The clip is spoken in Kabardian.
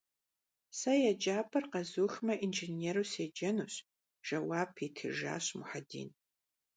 Сэ еджапӏэр къэзухмэ, инженеру седжэнущ, - жэуап итыжащ Мухьэдин.